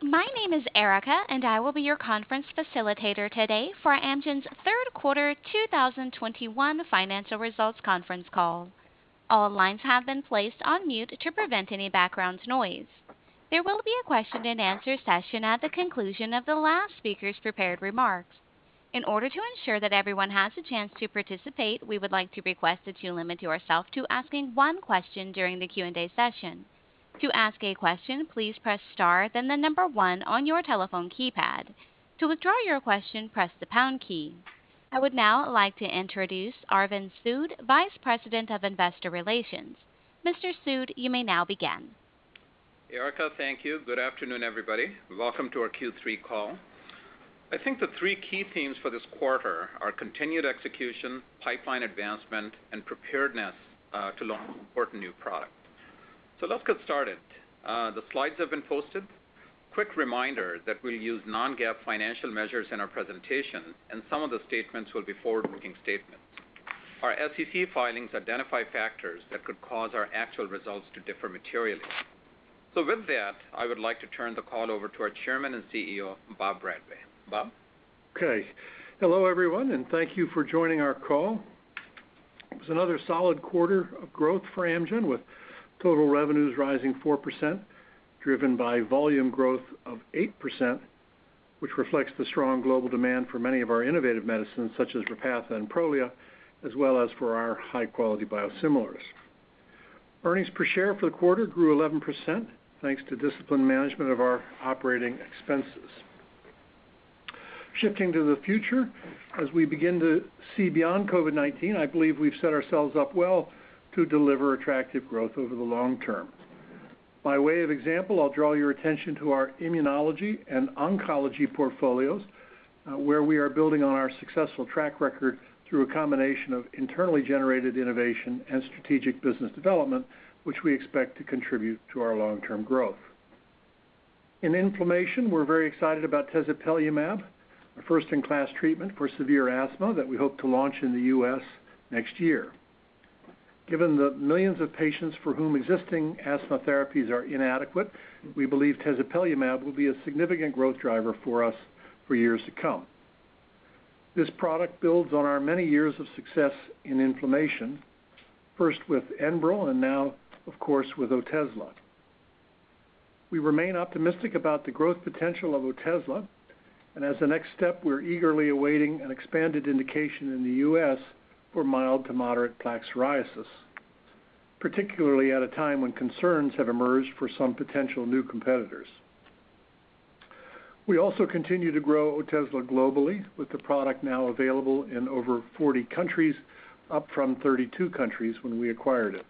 My name is Erica, and I will be your conference facilitator today for Amgen's third quarter 2021 financial results conference call. All lines have been placed on mute to prevent any background noise. There will be a question and answer session at the conclusion of the last speaker's prepared remarks. In order to ensure that everyone has a chance to participate, we would like to request that you limit yourself to asking one question during the Q&A session. To ask a question, please press star then the number one on your telephone keypad. To withdraw your question, press the pound key. I would now like to introduce Arvind Sood, Vice President of Investor Relations. Mr. Sood, you may now begin. Erica, thank you. Good afternoon, everybody. Welcome to our Q3 call. I think the three key themes for this quarter are continued execution, pipeline advancement, and preparedness to launch important new products. Let's get started. The slides have been posted. Quick reminder that we'll use non-GAAP financial measures in our presentation, and some of the statements will be forward-looking statements. Our SEC filings identify factors that could cause our actual results to differ materially. With that, I would like to turn the call over to our Chairman and CEO, Bob Bradway. Bob? Okay. Hello, everyone, and thank you for joining our call. It was another solid quarter of growth for Amgen, with total revenues rising 4%, driven by volume growth of 8%, which reflects the strong global demand for many of our innovative medicines, such as Repatha and Prolia, as well as for our high-quality biosimilars. Earnings per share for the quarter grew 11%, thanks to disciplined management of our operating expenses. Shifting to the future, as we begin to see beyond COVID-19, I believe we've set ourselves up well to deliver attractive growth over the long term. By way of example, I'll draw your attention to our immunology and oncology portfolios, where we are building on our successful track record through a combination of internally generated innovation and strategic business development, which we expect to contribute to our long-term growth. In inflammation, we're very excited about tezepelumab, a first-in-class treatment for severe asthma that we hope to launch in the U.S. next year. Given the millions of patients for whom existing asthma therapies are inadequate, we believe tezepelumab will be a significant growth driver for us for years to come. This product builds on our many years of success in inflammation, first with Enbrel and now, of course, with Otezla. We remain optimistic about the growth potential of Otezla, and as a next step, we're eagerly awaiting an expanded indication in the U.S. for mild to moderate plaque psoriasis, particularly at a time when concerns have emerged for some potential new competitors. We also continue to grow Otezla globally, with the product now available in over 40 countries, up from 32 countries when we acquired it.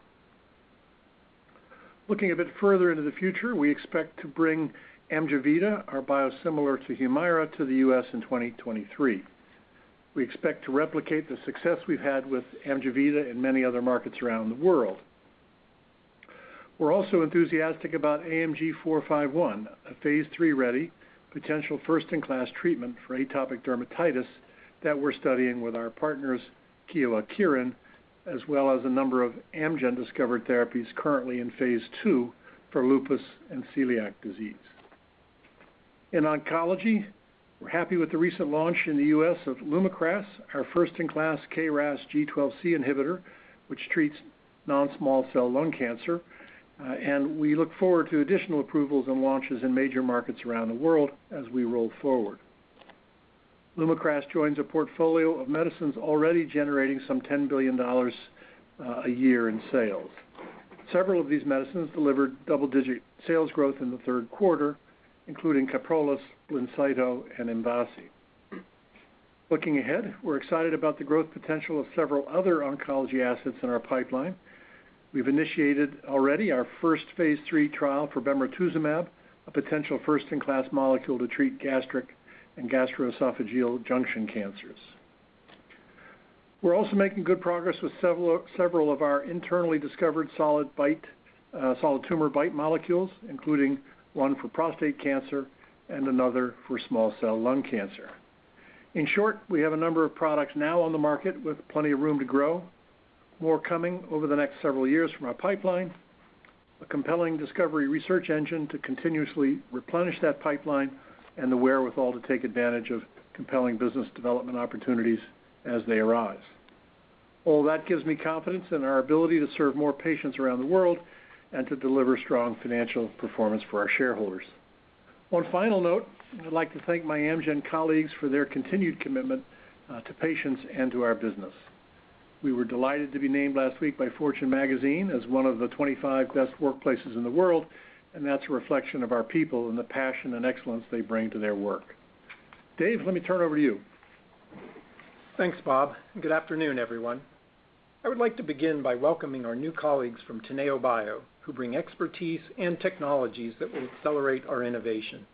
Looking a bit further into the future, we expect to bring Amgevita, our biosimilar to Humira, to the U.S. in 2023. We expect to replicate the success we've had with Amgevita in many other markets around the world. We're also enthusiastic about AMG 451, a phase III-ready potential first-in-class treatment for atopic dermatitis that we're studying with our partners, Kyowa Kirin, as well as a number of Amgen-discovered therapies currently in phase II for lupus and celiac disease. In oncology, we're happy with the recent launch in the U.S. of Lumakras, our first-in-class KRAS G12C inhibitor, which treats non-small cell lung cancer, and we look forward to additional approvals and launches in major markets around the world as we roll forward. Lumakras joins a portfolio of medicines already generating some $10 billion a year in sales. Several of these medicines delivered double-digit sales growth in the third quarter, including Kyprolis, Blincyto, and MVASI. Looking ahead, we're excited about the growth potential of several other oncology assets in our pipeline. We've initiated already our first phase III trial for Bemarituzumab, a potential first-in-class molecule to treat gastric and gastroesophageal junction cancers. We're also making good progress with several of our internally discovered solid BiTE, solid tumor BiTE molecules, including one for prostate cancer and another for small cell lung cancer. In short, we have a number of products now on the market with plenty of room to grow, more coming over the next several years from our pipeline, a compelling discovery research engine to continuously replenish that pipeline, and the wherewithal to take advantage of compelling business development opportunities as they arise. All that gives me confidence in our ability to serve more patients around the world and to deliver strong financial performance for our shareholders. One final note, I'd like to thank my Amgen colleagues for their continued commitment to patients and to our business. We were delighted to be named last week by Fortune Magazine as one of the 25 best workplaces in the world, and that's a reflection of our people and the passion and excellence they bring to their work. Dave, let me turn it over to you. Thanks, Bob. Good afternoon, everyone. I would like to begin by welcoming our new colleagues from Teneobio, who bring expertise and technologies that will accelerate our innovation.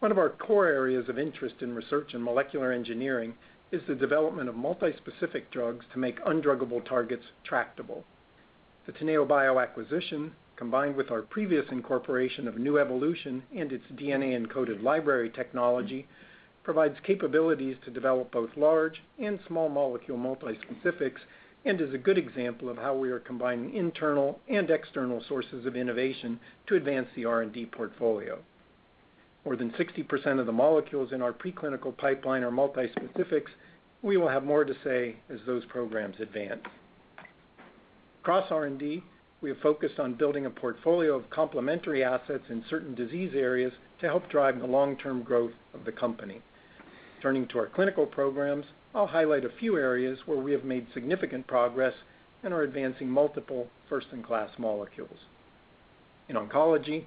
One of our core areas of interest in research and molecular engineering is the development of multi-specific drugs to make undruggable targets tractable. The Teneobio acquisition, combined with our previous incorporation of Nuevolution and its DNA-encoded library technology, provides capabilities to develop both large and small molecule multi-specifics and is a good example of how we are combining internal and external sources of innovation to advance the R&D portfolio. More than 60% of the molecules in our preclinical pipeline are multispecifics. We will have more to say as those programs advance. Across R&D, we have focused on building a portfolio of complementary assets in certain disease areas to help drive the long-term growth of the company. Turning to our clinical programs, I'll highlight a few areas where we have made significant progress and are advancing multiple first-in-class molecules. In oncology,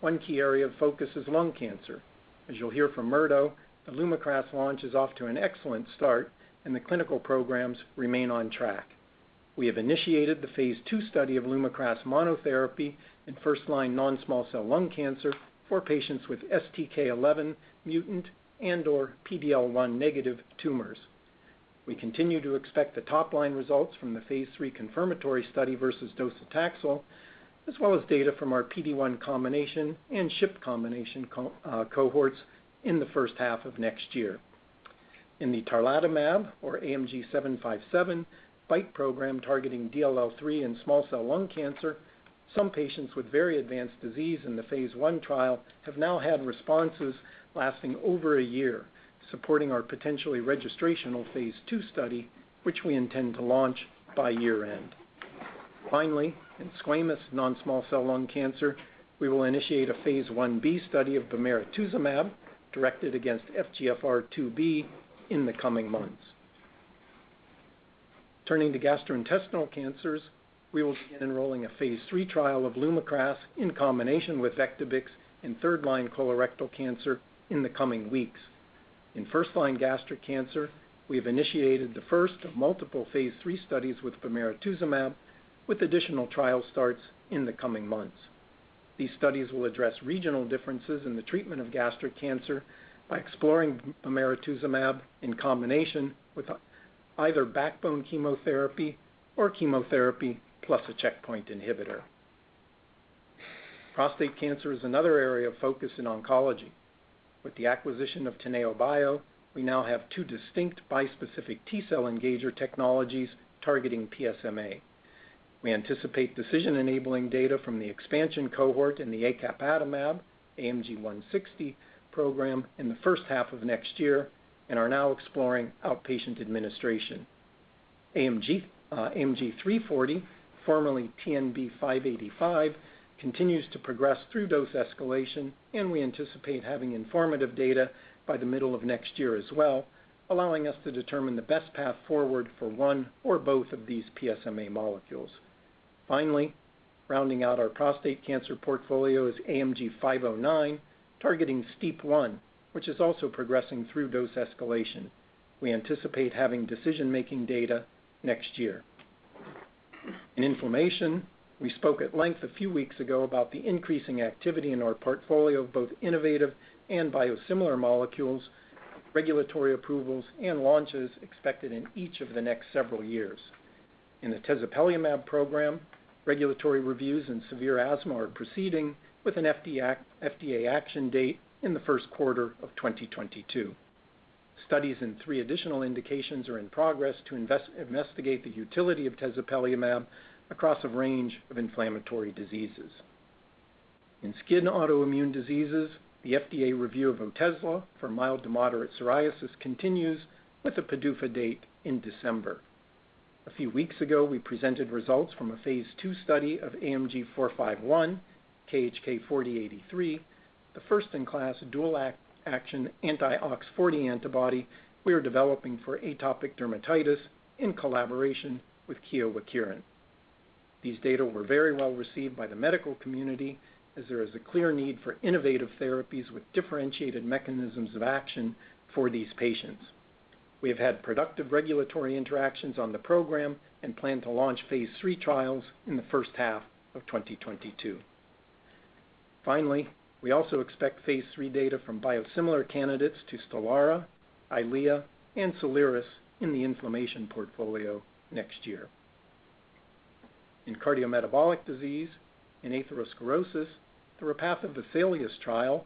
one key area of focus is lung cancer. As you'll hear from Murdo, the Lumakras launch is off to an excellent start and the clinical programs remain on track. We have initiated the phase II study of Lumakras monotherapy in first-line non-small cell lung cancer for patients with STK11 mutant and/or PDL1 negative tumors. We continue to expect the top-line results from the phase III confirmatory study versus docetaxel, as well as data from our PD1 combination and SHP combination cohorts in the first half of next year. In the Tarlatamab or AMG 757 BiTE program targeting DLL3 in small cell lung cancer, some patients with very advanced disease in the phase I trial have now had responses lasting over a year, supporting our potentially registrational phase II study, which we intend to launch by year-end. Finally, in squamous non-small cell lung cancer, we will initiate a phase I-B study of Bemarituzumab directed against FGFR2b in the coming months. Turning to gastrointestinal cancers, we will begin enrolling a phase III trial of Lumakras in combination with Vectibix in third-line colorectal cancer in the coming weeks. In first-line gastric cancer, we have initiated the first of multiple phase III studies with bemarituzumab, with additional trial starts in the coming months. These studies will address regional differences in the treatment of gastric cancer by exploring bemarituzumab in combination with either backbone chemotherapy or chemotherapy plus a checkpoint inhibitor. Prostate cancer is another area of focus in oncology. With the acquisition of Teneobio, we now have two distinct bispecific T-cell engager technologies targeting PSMA. We anticipate decision-enabling data from the expansion cohort in the acapatamab AMG 160 program in the first half of next year and are now exploring outpatient administration. AMG 340, formerly TNB-585, continues to progress through dose escalation, and we anticipate having informative data by the middle of next year as well, allowing us to determine the best path forward for one or both of these PSMA molecules. Finally, rounding out our prostate cancer portfolio is AMG 509, targeting STEAP1, which is also progressing through dose escalation. We anticipate having decision-making data next year. In inflammation, we spoke at length a few weeks ago about the increasing activity in our portfolio of both innovative and biosimilar molecules, regulatory approvals and launches expected in each of the next several years. In the tezepelumab program, regulatory reviews in severe asthma are proceeding with an FDA action date in the first quarter of 2022. Studies in three additional indications are in progress to investigate the utility of tezepelumab across a range of inflammatory diseases. In skin autoimmune diseases, the FDA review of Otezla for mild to moderate psoriasis continues with a PDUFA date in December. A few weeks ago, we presented results from a phase II study of AMG 451, KHK4083, the first-in-class dual action anti-OX40 antibody we are developing for atopic dermatitis in collaboration with Kyowa Kirin. These data were very well received by the medical community as there is a clear need for innovative therapies with differentiated mechanisms of action for these patients. We have had productive regulatory interactions on the program and plan to launch phase III trials in the first half of 2022. Finally, we also expect phase III data from biosimilar candidates to Stelara, EYLEA, and Soliris in the inflammation portfolio next year. In cardiometabolic disease, in atherosclerosis, the Repatha VESALIUS-CV trial,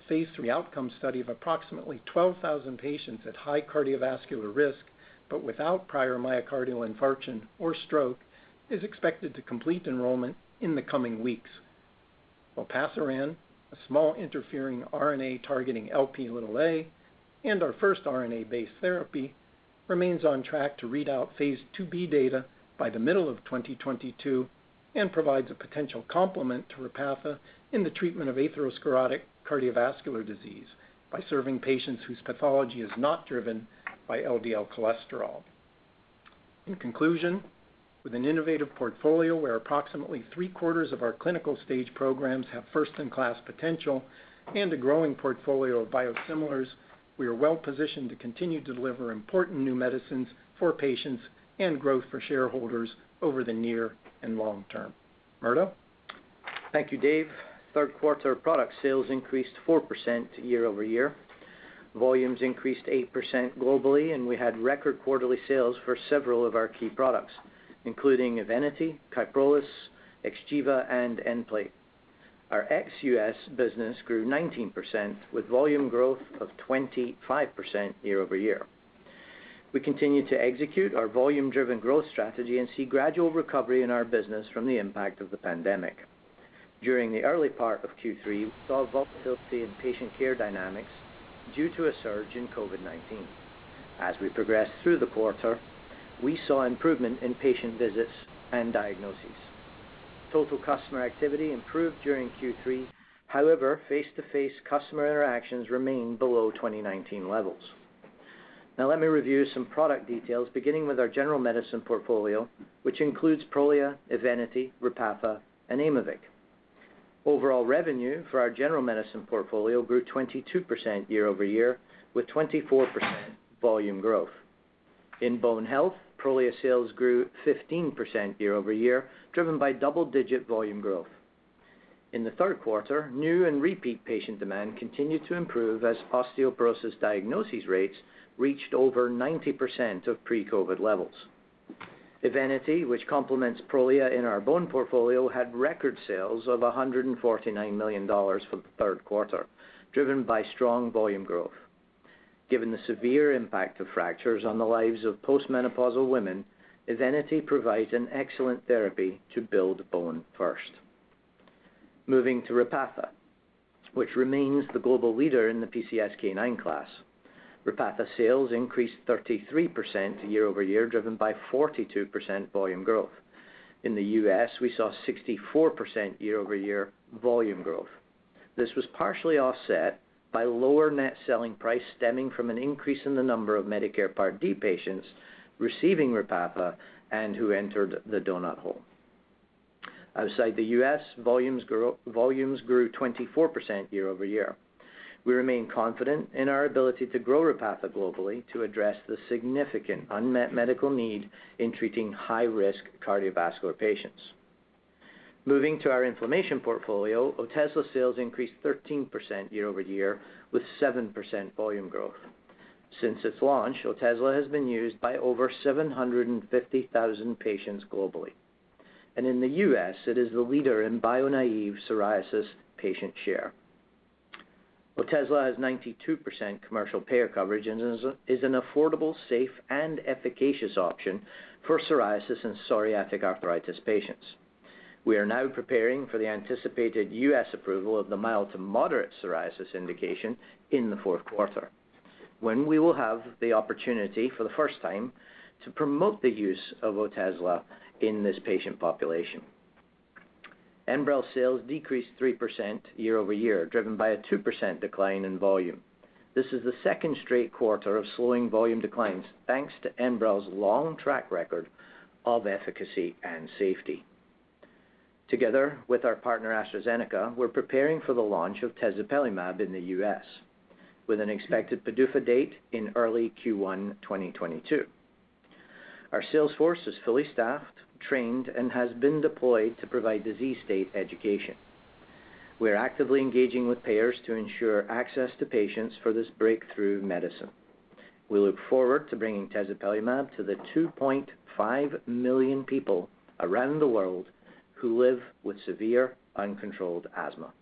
a phase III outcome study of approximately 12,000 patients at high cardiovascular risk but without prior myocardial infarction or stroke, is expected to complete enrollment in the coming weeks. Olpasiran, a small interfering RNA targeting Lp(a) and our first RNA-based therapy, remains on track to read out phase IIb data by the middle of 2022 and provides a potential complement to Repatha in the treatment of atherosclerotic cardiovascular disease by serving patients whose pathology is not driven by LDL cholesterol. In conclusion, with an innovative portfolio where approximately three-quarters of our clinical stage programs have first-in-class potential and a growing portfolio of biosimilars, we are well positioned to continue to deliver important new medicines for patients and growth for shareholders over the near and long term. Murdo? Thank you, Dave. Third quarter product sales increased 4% year-over-year. Volumes increased 8% globally, and we had record quarterly sales for several of our key products, including EVENITY, Kyprolis, XGEVA, and Nplate. Our ex-US business grew 19% with volume growth of 25% year-over-year. We continue to execute our volume-driven growth strategy and see gradual recovery in our business from the impact of the pandemic. During the early part of Q3, we saw volatility in patient care dynamics due to a surge in COVID-19. As we progressed through the quarter, we saw improvement in patient visits and diagnoses. Total customer activity improved during Q3. However, face-to-face customer interactions remain below 2019 levels. Now, let me review some product details, beginning with our general medicine portfolio, which includes Prolia, EVENITY, Repatha, and Aimovig. Overall revenue for our general medicine portfolio grew 22% year-over-year, with 24% volume growth. In bone health, Prolia sales grew 15% year-over-year, driven by double-digit volume growth. In the third quarter, new and repeat patient demand continued to improve as osteoporosis diagnosis rates reached over 90% of pre-COVID levels. EVENITY, which complements Prolia in our bone portfolio, had record sales of $149 million for the third quarter, driven by strong volume growth. Given the severe impact of fractures on the lives of post-menopausal women, EVENITY provides an excellent therapy to build bone first. Moving to Repatha, which remains the global leader in the PCSK9 class. Repatha sales increased 33% year-over-year, driven by 42% volume growth. In the U.S., we saw 64% year-over-year volume growth. This was partially offset by lower net selling price stemming from an increase in the number of Medicare Part D patients receiving Repatha and who entered the donut hole. Outside the U.S., volumes grew 24% year-over-year. We remain confident in our ability to grow Repatha globally to address the significant unmet medical need in treating high-risk cardiovascular patients. Moving to our inflammation portfolio, Otezla sales increased 13% year-over-year, with 7% volume growth. Since its launch, Otezla has been used by over 750,000 patients globally. In the U.S., it is the leader in bio-naive psoriasis patient share. Otezla has 92% commercial payer coverage and is an affordable, safe, and efficacious option for psoriasis and psoriatic arthritis patients. We are now preparing for the anticipated U.S. approval of the mild-to-moderate psoriasis indication in the fourth quarter, when we will have the opportunity, for the first time, to promote the use of Otezla in this patient population. Enbrel sales decreased 3% year-over-year, driven by a 2% decline in volume. This is the second straight quarter of slowing volume declines, thanks to Enbrel's long track record of efficacy and safety. Together with our partner, AstraZeneca, we're preparing for the launch of tezepelumab in the U.S. with an expected PDUFA date in early Q1 2022. Our sales force is fully staffed, trained, and has been deployed to provide disease state education. We are actively engaging with payers to ensure access to patients for this breakthrough medicine. We look forward to bringing tezepelumab to the 2.5 million people around the world who live with severe, uncontrolled asthma.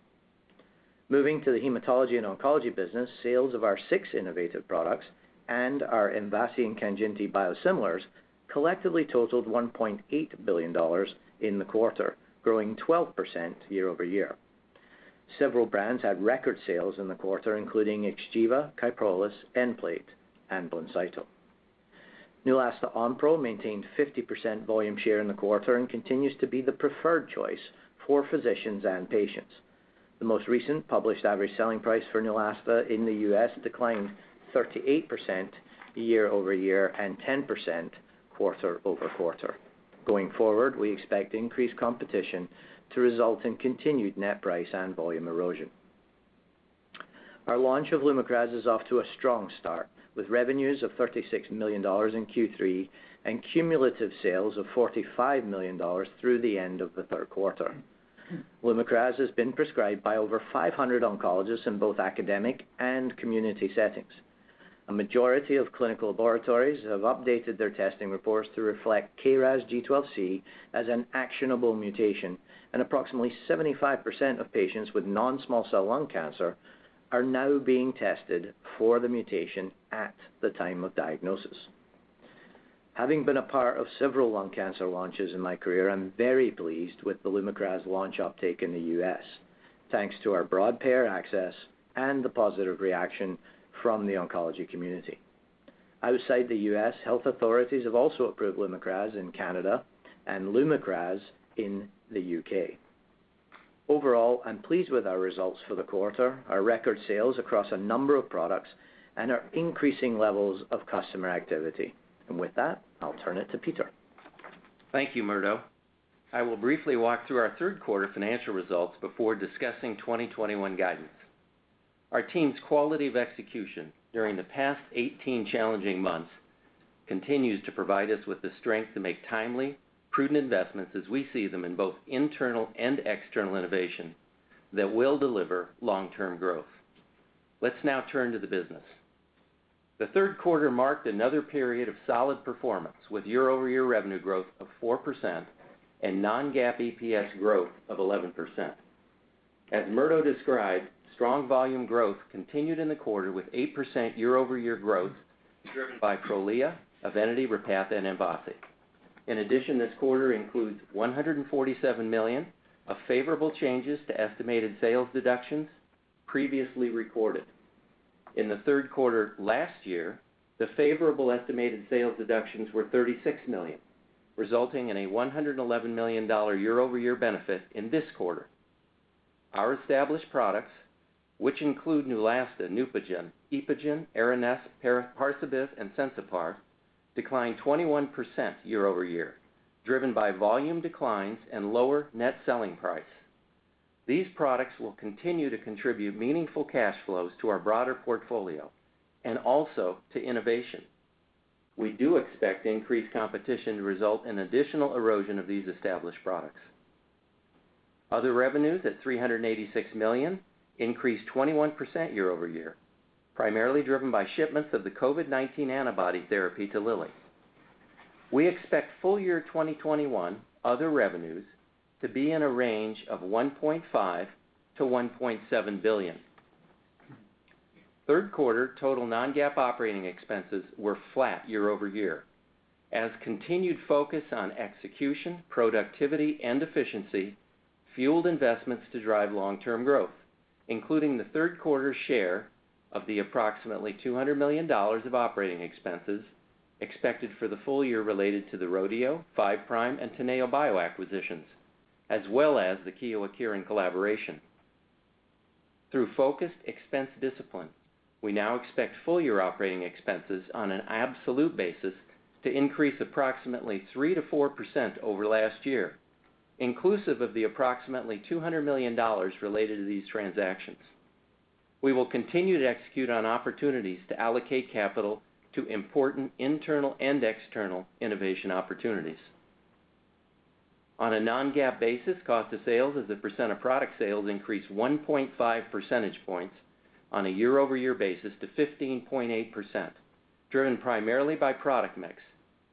Moving to the hematology and oncology business, sales of our six innovative products and our MVASI and Kanjinti biosimilars collectively totaled $1.8 billion in the quarter, growing 12% year-over-year. Several brands had record sales in the quarter, including XGEVA, Kyprolis, Nplate, and Blincyto. Neulasta Onpro maintained 50% volume share in the quarter and continues to be the preferred choice for physicians and patients. The most recent published average selling price for Neulasta in the U.S. declined 38% year-over-year and 10% quarter-over-quarter. Going forward, we expect increased competition to result in continued net price and volume erosion. Our launch of Lumakras is off to a strong start with revenues of $36 million in Q3 and cumulative sales of $45 million through the end of the third quarter. Lumakras has been prescribed by over 500 oncologists in both academic and community settings. A majority of clinical laboratories have updated their testing reports to reflect KRAS G12C as an actionable mutation. Approximately 75% of patients with non-small cell lung cancer are now being tested for the mutation at the time of diagnosis. Having been a part of several lung cancer launches in my career, I'm very pleased with the Lumakras launch uptake in the U.S., thanks to our broad payer access and the positive reaction from the oncology community. Outside the U.S., health authorities have also approved Lumakras in Canada and Lumakras in the U.K. Overall, I'm pleased with our results for the quarter, our record sales across a number of products, and our increasing levels of customer activity. With that, I'll turn it to Peter. Thank you, Murdo. I will briefly walk through our third quarter financial results before discussing 2021 guidance. Our team's quality of execution during the past 18 challenging months continues to provide us with the strength to make timely, prudent investments as we see them in both internal and external innovation that will deliver long-term growth. Let's now turn to the business. The third quarter marked another period of solid performance, with year-over-year revenue growth of 4% and non-GAAP EPS growth of 11%. As Murdo described, strong volume growth continued in the quarter with 8% year-over-year growth, driven by Prolia, EVENITY, Repatha, and Enbrel. In addition, this quarter includes $147 million of favorable changes to estimated sales deductions previously recorded. In the third quarter last year, the favorable estimated sales deductions were $36 million, resulting in a $111 million year-over-year benefit in this quarter. Our established products, which include Neulasta, Neupogen, Epogen, Aranesp, Parsabiv, and Sensipar, declined 21% year-over-year, driven by volume declines and lower net selling price. These products will continue to contribute meaningful cash flows to our broader portfolio and also to innovation. We do expect increased competition to result in additional erosion of these established products. Other revenues at $386 million increased 21% year-over-year, primarily driven by shipments of the COVID-19 antibody therapy to Lilly. We expect full year 2021 other revenues to be in a range of $1.5 billion-$1.7 billion. Third quarter total non-GAAP operating expenses were flat year-over-year as continued focus on execution, productivity, and efficiency fueled investments to drive long-term growth, including the third quarter share of the approximately $200 million of operating expenses expected for the full year related to the Rodeo, Five Prime, and Teneobio acquisitions, as well as the Kyowa Kirin collaboration. Through focused expense discipline, we now expect full year operating expenses on an absolute basis to increase approximately 3%-4% over last year, inclusive of the approximately $200 million related to these transactions. We will continue to execute on opportunities to allocate capital to important internal and external innovation opportunities. On a non-GAAP basis, cost of sales as a percent of product sales increased 1.5 percentage points on a year-over-year basis to 15.8%, driven primarily by product mix,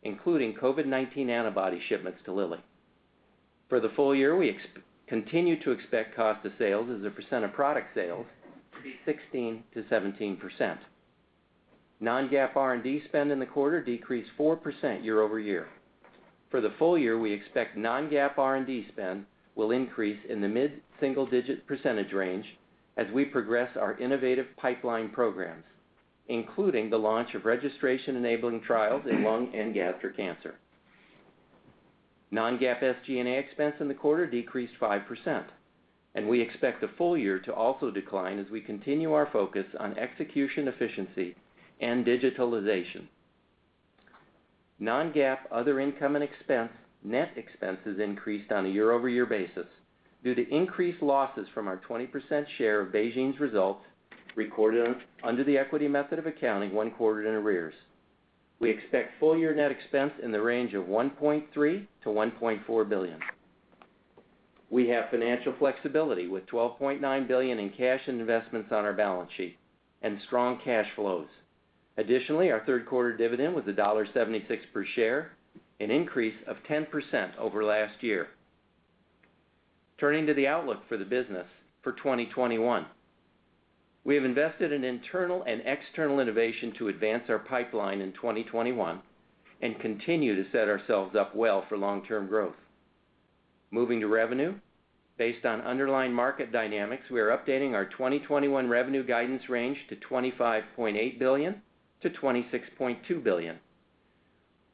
including COVID-19 antibody shipments to Lilly. For the full year, we continue to expect cost of sales as a percent of product sales to be 16%-17%. Non-GAAP R&D spend in the quarter decreased 4% year-over-year. For the full year, we expect non-GAAP R&D spend will increase in the mid-single digit percentage range as we progress our innovative pipeline programs, including the launch of registration-enabling trials in lung and gastric cancer. Non-GAAP SG&A expense in the quarter decreased 5%, and we expect the full year to also decline as we continue our focus on execution efficiency and digitalization. Non-GAAP other income and expense, net expenses increased on a year-over-year basis due to increased losses from our 20% share of BeiGene's results recorded under the equity method of accounting one quarter in arrears. We expect full-year net expense in the range of $1.3 billion-$1.4 billion. We have financial flexibility with $12.9 billion in cash and investments on our balance sheet and strong cash flows. Additionally, our third quarter dividend was $1.76 per share, an increase of 10% over last year. Turning to the outlook for the business for 2021. We have invested in internal and external innovation to advance our pipeline in 2021 and continue to set ourselves up well for long-term growth. Moving to revenue. Based on underlying market dynamics, we are updating our 2021 revenue guidance range to $25.8 billion-$26.2 billion.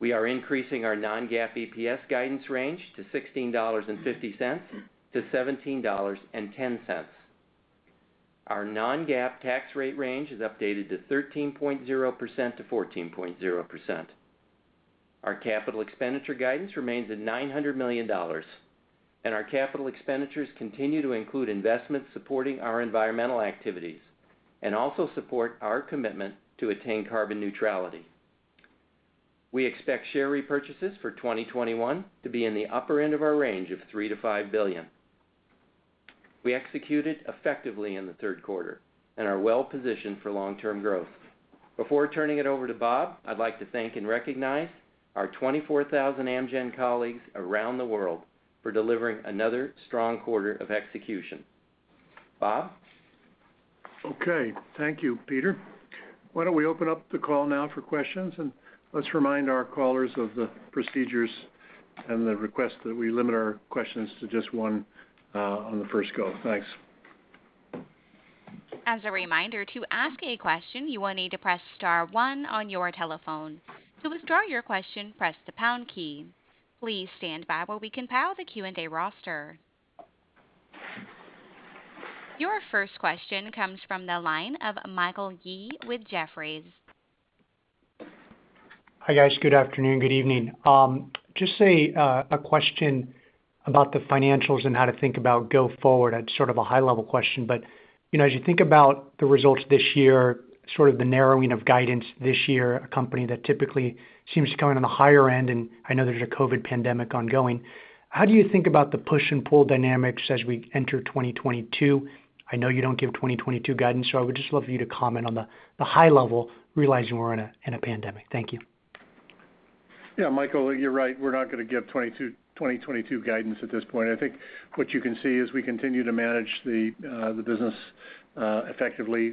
We are increasing our non-GAAP EPS guidance range to $16.50-$17.10. Our non-GAAP tax rate range is updated to 13.0%-14.0%. Our capital expenditure guidance remains at $900 million, and our capital expenditures continue to include investments supporting our environmental activities and also support our commitment to attain carbon neutrality. We expect share repurchases for 2021 to be in the upper end of our range of $3 billion-$5 billion. We executed effectively in the third quarter and are well positioned for long-term growth. Before turning it over to Bob, I'd like to thank and recognize our 24,000 Amgen colleagues around the world for delivering another strong quarter of execution. Bob? Okay, thank you, Peter. Why don't we open up the call now for questions, and let's remind our callers of the procedures and the request that we limit our questions to just one on the first go. Thanks. As a reminder, to ask a question, you will need to press star one on your telephone. To withdraw your question, press the pound key. Please stand by while we compile the Q&A roster. Your first question comes from the line of Michael Yee with Jefferies. Hi, guys. Good afternoon. Good evening. Just a question about the financials and how to think about going forward at sort of a high level question. You know, as you think about the results this year, sort of the narrowing of guidance this year, a company that typically seems to come in on the higher end, and I know there's a COVID pandemic ongoing, how do you think about the push and pull dynamics as we enter 2022? I know you don't give 2022 guidance, so I would just love for you to comment on the high level, realizing we're in a pandemic. Thank you. Yeah, Michael, you're right. We're not gonna give 2022 guidance at this point. I think what you can see as we continue to manage the business effectively,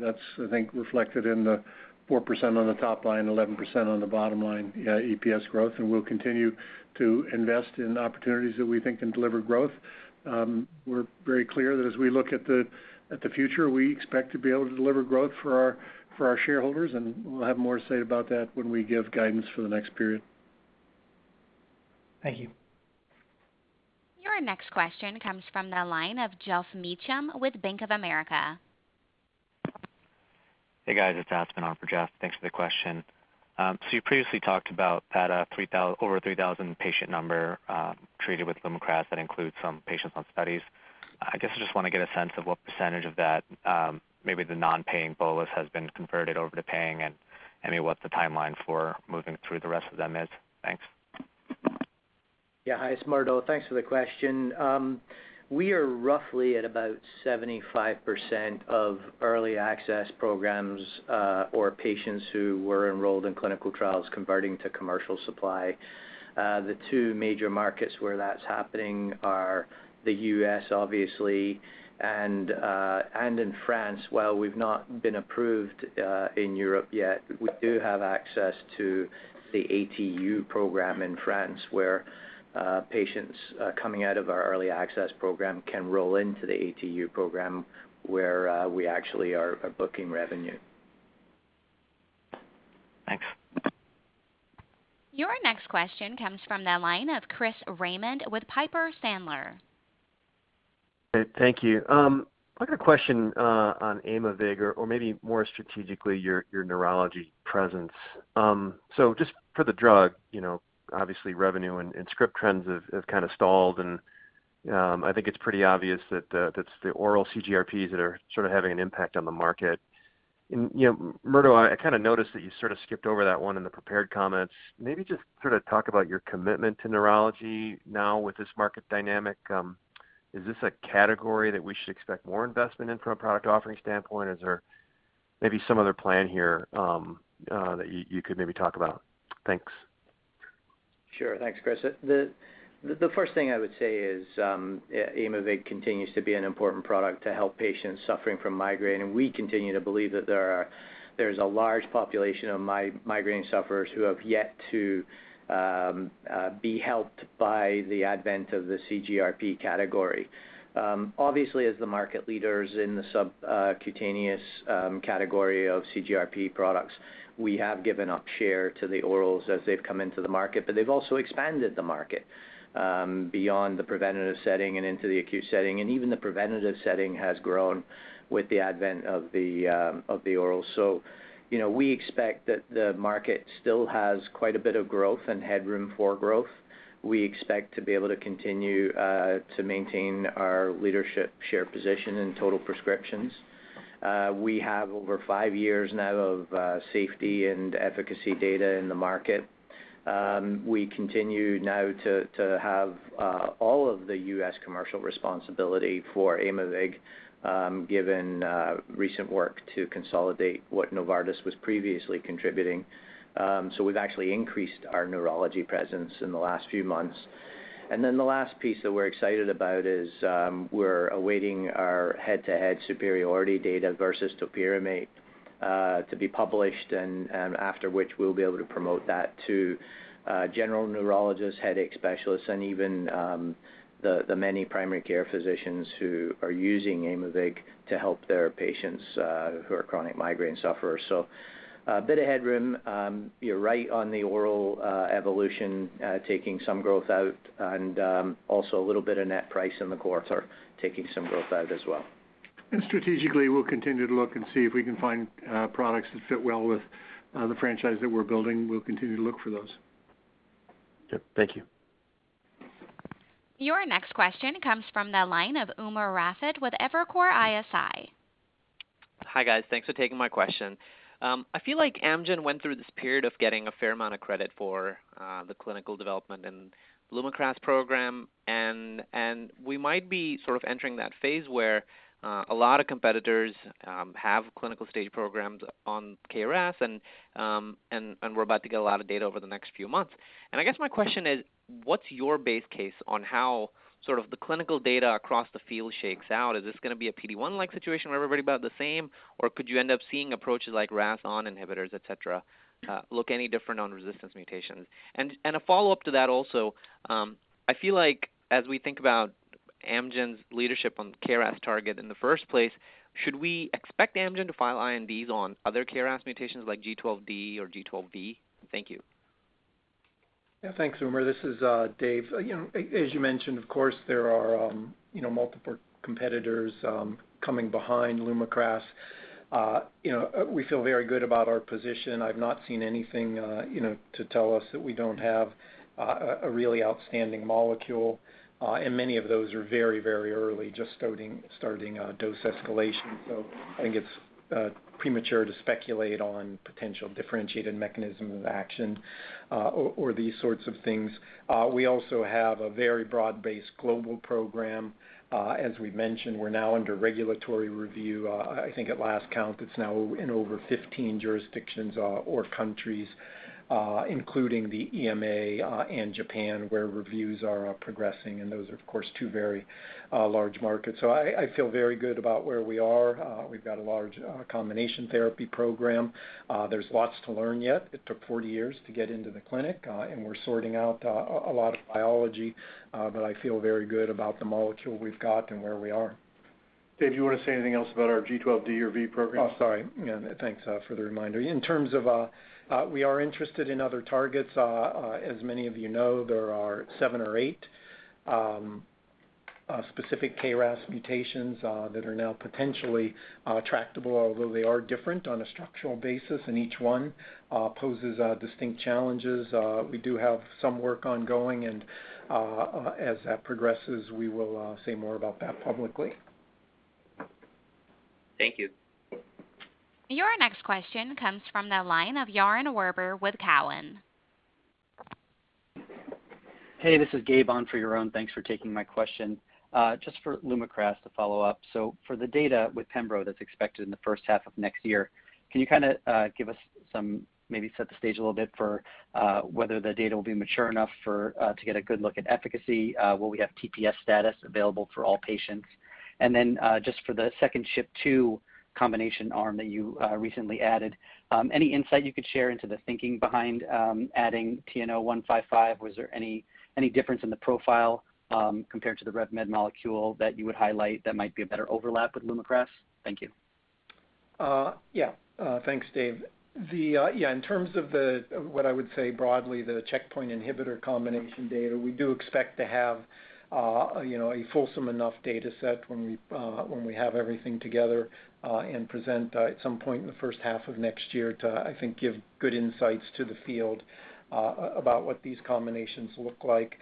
that's, I think, reflected in the 4% on the top line, 11% on the bottom line, EPS growth, and we'll continue to invest in opportunities that we think can deliver growth. We're very clear that as we look at the future, we expect to be able to deliver growth for our shareholders, and we'll have more to say about that when we give guidance for the next period. Thank you. Your next question comes from the line of Geoff Meacham with Bank of America. Hey, guys. It's Aspen on for Jeff. Thanks for the question. So you previously talked about that, over 3,000 patient number, treated with Lumakras that includes some patients on studies. I guess I just wanna get a sense of what percentage of that, maybe the non-paying bolus has been converted over to paying, and, I mean, what the timeline for moving through the rest of them is. Thanks. Yeah. Hi, it's Murdo. Thanks for the question. We are roughly at about 75% of early access programs or patients who were enrolled in clinical trials converting to commercial supply. The two major markets where that's happening are the U.S. obviously, and in France. While we've not been approved in Europe yet, we do have access to the ATU program in France, where patients coming out of our early access program can roll into the ATU program, where we actually are booking revenue. Thanks. Your next question comes from the line of Christopher Raymond with Piper Sandler. Thank you. I've got a question on Aimovig or maybe more strategically your neurology presence. Just for the drug, you know, obviously revenue and script trends have kind of stalled and I think it's pretty obvious that that's the oral CGRPs that are sort of having an impact on the market. You know, Murdo, I kind of noticed that you sort of skipped over that one in the prepared comments. Maybe just sort of talk about your commitment to neurology now with this market dynamic. Is this a category that we should expect more investment in from a product offering standpoint? Is there maybe some other plan here that you could maybe talk about? Thanks. Sure. Thanks, Chris. The first thing I would say is, yeah, Aimovig continues to be an important product to help patients suffering from migraine, and we continue to believe that there's a large population of migraine sufferers who have yet to be helped by the advent of the CGRP category. Obviously, as the market leaders in the subcutaneous category of CGRP products, we have given up share to the orals as they've come into the market, but they've also expanded the market beyond the preventative setting and into the acute setting, and even the preventative setting has grown with the advent of the oral. You know, we expect that the market still has quite a bit of growth and headroom for growth. We expect to be able to continue to maintain our leadership share position in total prescriptions. We have over five years now of safety and efficacy data in the market. We continue now to have all of the U.S. commercial responsibility for Aimovig, given recent work to consolidate what Novartis was previously contributing. We've actually increased our neurology presence in the last few months. The last piece that we're excited about is we're awaiting our head-to-head superiority data versus topiramate to be published and after which we'll be able to promote that to general neurologists, headache specialists, and even the many primary care physicians who are using Aimovig to help their patients who are chronic migraine sufferers. A bit of headroom, you're right on the Otezla evolution taking some growth out and also a little bit of net price in the quarter taking some growth out as well. Strategically, we'll continue to look and see if we can find products that fit well with the franchise that we're building. We'll continue to look for those. Okay. Thank you. Your next question comes from the line of Umer Raffat with Evercore ISI. Hi, guys. Thanks for taking my question. I feel like Amgen went through this period of getting a fair amount of credit for the clinical development and Lumakras program, and we might be sort of entering that phase where a lot of competitors have clinical stage programs on KRAS and we're about to get a lot of data over the next few months. I guess my question is, what's your base case on how sort of the clinical data across the field shakes out? Is this gonna be a PD-1-like situation where everybody about the same, or could you end up seeing approaches like RAS(ON) inhibitors, etc, look any different on resistance mutations? A follow-up to that also, I feel like as we think about Amgen's leadership on KRAS target in the first place, should we expect Amgen to file INDs on other KRAS mutations like G12D or G12V? Thank you. Yeah. Thanks, Umer. This is Dave. You know, as you mentioned, of course, there are multiple competitors coming behind Lumakras. You know, we feel very good about our position. I've not seen anything to tell us that we don't have a really outstanding molecule, and many of those are very early, just starting dose escalation. So I think it's premature to speculate on potential differentiated mechanism of action, or these sorts of things. We also have a very broad-based global program. As we've mentioned, we're now under regulatory review. I think at last count, it's now in over 15 jurisdictions or countries, including the EMA and Japan, where reviews are progressing, and those are, of course, two very large markets. I feel very good about where we are. We've got a large combination therapy program. There's lots to learn yet. It took 40 years to get into the clinic, and we're sorting out a lot of biology, but I feel very good about the molecule we've got and where we are. Dave, do you wanna say anything else about our G12D or G12V program? Oh, sorry. Yeah, thanks for the reminder. In terms of, we are interested in other targets, as many of you know, there are seven or eight specific KRAS mutations that are now potentially tractable, although they are different on a structural basis, and each one poses distinct challenges. We do have some work ongoing, and as that progresses, we will say more about that publicly. Thank you. Your next question comes from the line of Yaron Werber with Cowen. Hey, this is Gabe on for Yaron Werber. Thanks for taking my question. Just for Lumakras to follow up. So for the data with pembro that's expected in the first half of next year, can you kinda give us some, maybe set the stage a little bit for whether the data will be mature enough for to get a good look at efficacy? Will we have TPS status available for all patients? And then just for the second SHP2 combination arm that you recently added, any insight you could share into the thinking behind adding TNO155? Was there any difference in the profile compared to the RevMed molecule that you would highlight that might be a better overlap with Lumakras? Thank you. Thanks, Dave. In terms of what I would say broadly, the checkpoint inhibitor combination data, we do expect to have, you know, a fulsome enough data set when we have everything together and present at some point in the first half of next year to, I think, give good insights to the field about what these combinations look like.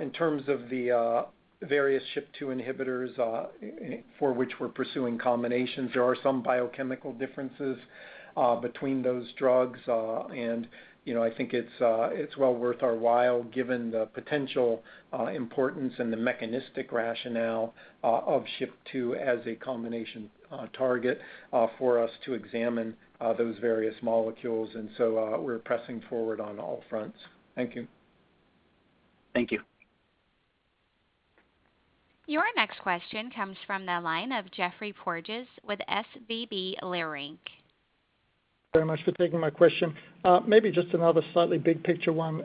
In terms of the various SHP2 inhibitors for which we're pursuing combinations, there are some biochemical differences between those drugs. You know, I think it's well worth our while, given the potential importance and the mechanistic rationale of SHP2 as a combination target for us to examine those various molecules, and so we're pressing forward on all fronts. Thank you. Thank you. Your next question comes from the line of Geoffrey Porges with SVB Leerink. Thank you very much for taking my question. Maybe just another slightly big picture one.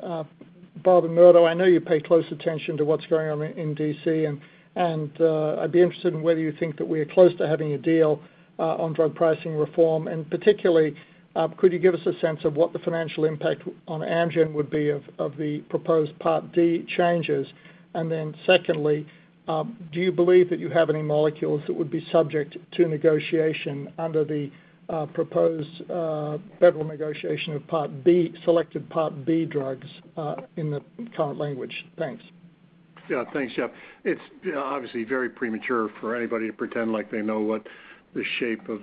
Bob and Murdo, I know you pay close attention to what's going on in D.C., and I'd be interested in whether you think that we are close to having a deal on drug pricing reform. Particularly, could you give us a sense of what the financial impact on Amgen would be of the proposed Part D changes? Then secondly, do you believe that you have any molecules that would be subject to negotiation under the proposed federal negotiation of Part B, selected Part B drugs in the current language? Thanks. Yeah, thanks, Geoff. It's, you know, obviously very premature for anybody to pretend like they know what the shape of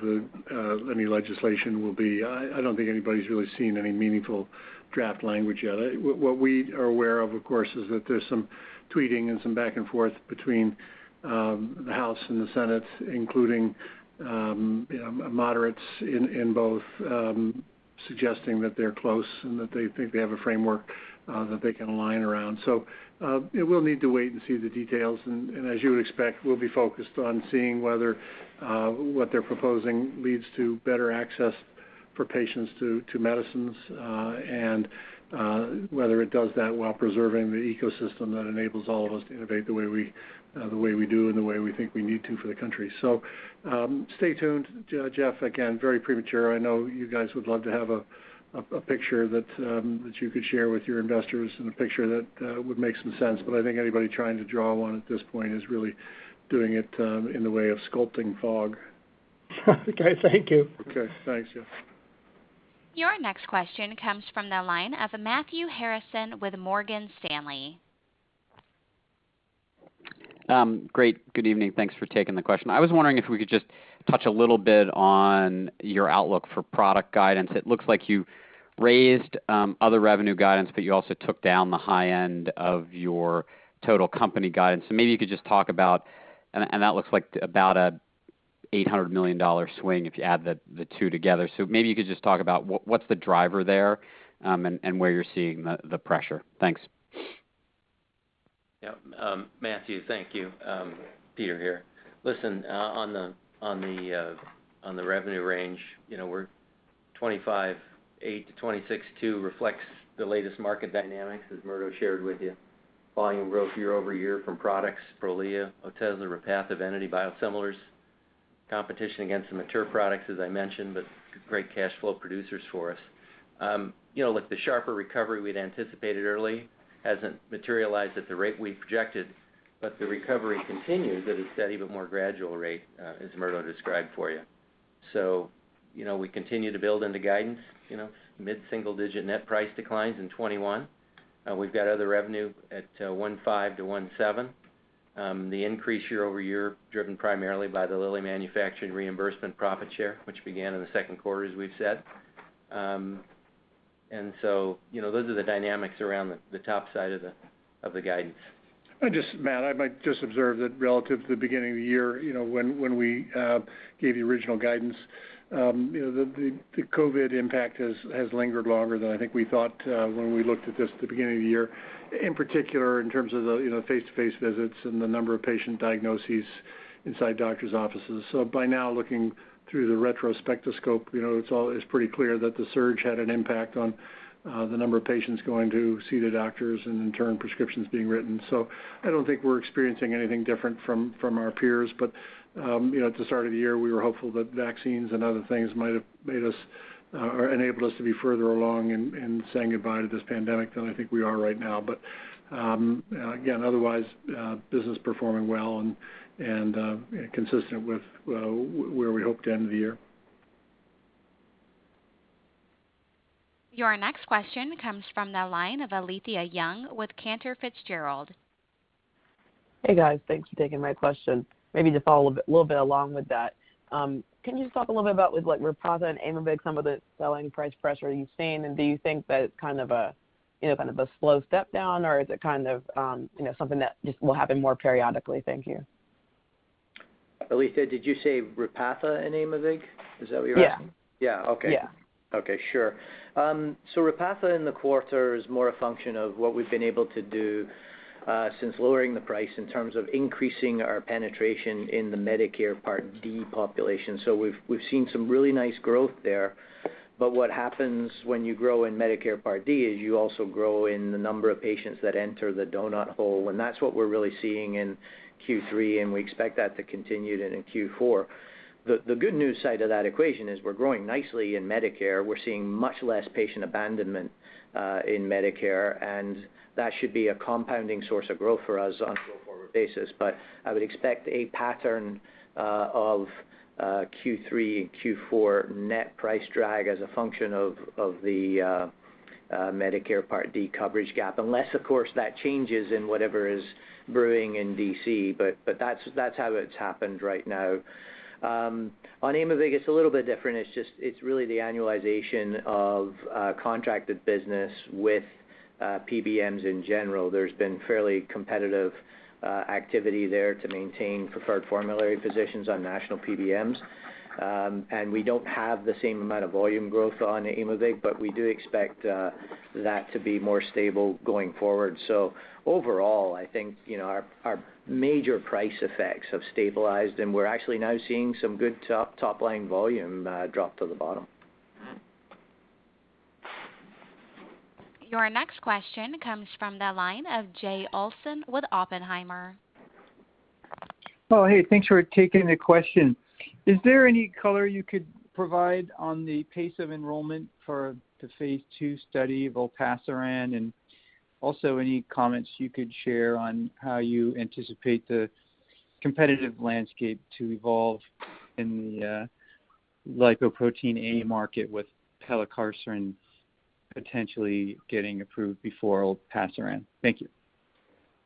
any legislation will be. I don't think anybody's really seen any meaningful draft language yet. What we are aware of course, is that there's some tweeting and some back and forth between the House and the Senate, including you know, moderates in both suggesting that they're close and that they think they have a framework that they can align around. Yeah, we'll need to wait and see the details, and as you would expect, we'll be focused on seeing whether what they're proposing leads to better access for patients to medicines, and whether it does that while preserving the ecosystem that enables all of us to innovate the way we do and the way we think we need to for the country. Stay tuned, Jeff. Again, very premature. I know you guys would love to have a picture that you could share with your investors and a picture that would make some sense. But I think anybody trying to draw one at this point is really doing it in the way of sculpting fog. Okay, thank you. Okay, thanks, Geoffrey. Your next question comes from the line of Matthew Harrison with Morgan Stanley. Great. Good evening. Thanks for taking the question. I was wondering if we could just touch a little bit on your outlook for product guidance. It looks like you raised other revenue guidance, but you also took down the high end of your total company guidance. That looks like about an $800 million swing if you add the two together. Maybe you could just talk about what's the driver there, and where you're seeing the pressure. Thanks. Matthew, thank you. Peter here. Listen, on the revenue range, you know, we're $25.8 billion-$26.2 billion reflects the latest market dynamics, as Murdo shared with you. Volume growth year-over-year from products Prolia, Otezla, Repatha, EVENITY, biosimilars, competition against the mature products, as I mentioned, but great cash flow producers for us. You know, look, the sharper recovery we'd anticipated early hasn't materialized at the rate we projected, but the recovery continues at a steady, but more gradual rate, as Murdo described for you. You know, we continue to build in the guidance, mid-single-digit net price declines in 2021. We've got other revenue at $1.5 billion-$1.7 billion. The increase year-over-year driven primarily by the Lilly manufacturing reimbursement profit share, which began in the second quarter, as we've said. You know, those are the dynamics around the top side of the guidance. Matt, I might just observe that relative to the beginning of the year, you know, when we gave the original guidance, you know, the COVID impact has lingered longer than I think we thought, when we looked at this at the beginning of the year. In particular, in terms of the, you know, face-to-face visits and the number of patient diagnoses inside doctor's offices. By now looking through the retrospectoscope, you know, it's pretty clear that the surge had an impact on the number of patients going to see the doctors and in turn, prescriptions being written. I don't think we're experiencing anything different from our peers. you know, at the start of the year, we were hopeful that vaccines and other things might have made us or enabled us to be further along in saying goodbye to this pandemic than I think we are right now. Again, otherwise, business performing well and consistent with where we hope to end the year. Your next question comes from the line of Alethia Young with Cantor Fitzgerald. Hey, guys. Thanks for taking my question. Maybe to follow a little bit along with that. Can you just talk a little bit about with like Repatha and Aimovig some of the selling price pressure you've seen? And do you think that it's kind of a, you know, kind of a slow step down, or is it kind of, you know, something that just will happen more periodically? Thank you. Alethia, did you say Repatha and Aimovig? Is that what you're asking? Yeah. Yeah. Okay. Yeah. Okay, sure. Repatha in the quarter is more a function of what we've been able to do since lowering the price in terms of increasing our penetration in the Medicare Part D population. We've seen some really nice growth there. What happens when you grow in Medicare Part D is you also grow in the number of patients that enter the donut hole, and that's what we're really seeing in Q3, and we expect that to continue into Q4. The good news side of that equation is we're growing nicely in Medicare. We're seeing much less patient abandonment in Medicare, and that should be a compounding source of growth for us on a go-forward basis. I would expect a pattern of Q3 and Q4 net price drag as a function of the Medicare Part D coverage gap. Unless, of course, that changes in whatever is brewing in D.C., but that's how it's happened right now. On Aimovig, it's a little bit different. It's really the annualization of contracted business with PBMs in general. There's been fairly competitive activity there to maintain preferred formulary positions on national PBMs. We don't have the same amount of volume growth on Aimovig, but we do expect that to be more stable going forward. Overall, I think you know our major price effects have stabilized, and we're actually now seeing some good top line volume drop to the bottom. Your next question comes from the line of Jay Olson with Oppenheimer. Oh, hey, thanks for taking the question. Is there any color you could provide on the pace of enrollment for the phase II study of Olpasiran? Any comments you could share on how you anticipate the competitive landscape to evolve in the lipoprotein(a) market with Pelacarsen potentially getting approved before Olpasiran? Thank you.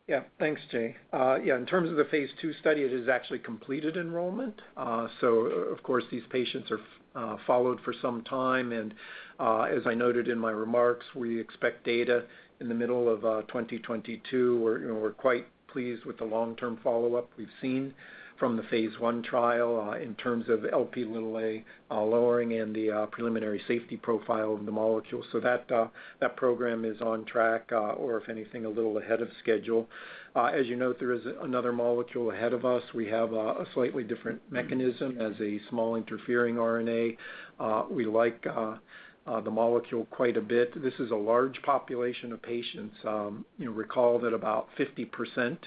Yeah. Thanks, Jay. Yeah, in terms of the phase II study, it has actually completed enrollment. Of course, these patients are followed for some time. As I noted in my remarks, we expect data in the middle of 2022. We're, you know, quite pleased with the long-term follow-up we've seen from the phase I trial in terms of Lp(a) lowering and the preliminary safety profile of the molecule. That program is on track, or if anything, a little ahead of schedule. As you note, there is another molecule ahead of us. We have a slightly different mechanism as a small interfering RNA. We like the molecule quite a bit. This is a large population of patients. You know, recall that about 50%